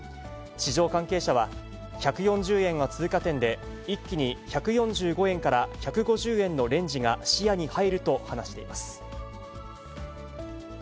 市場関係者は、１４０円は通過点で、一気に１４５円から１５０円のレンジが視野に入ると話しています。